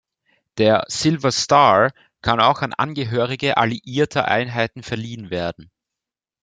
Der "Silver Star" kann auch an Angehörige alliierter Einheiten verliehen werden.